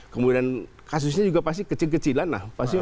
kemudian kasusnya juga pasti kecil kecilan lah